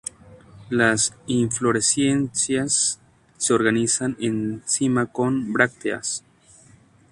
Las inflorescencias se organizan en cimas con brácteas.